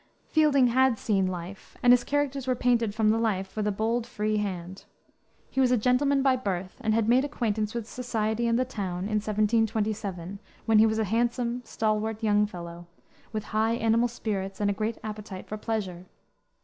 Fielding had seen life, and his characters were painted from the life with a bold, free hand. He was a gentleman by birth, and had made acquaintance with society and the town in 1727, when he was a handsome, stalwart young fellow, with high animal spirits and a great appetite for pleasure.